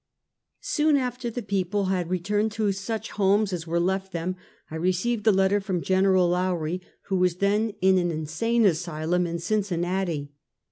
Soon after the people had returned to such homes as were left them, I received a letter from General Lowrie, who was then in an insane asylum in Cincin nati.